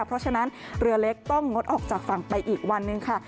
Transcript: เพราะฉะนั้นเรือเล็กต้องงดออกจากฝั่งไปอีกวันหนึ่งค่ะ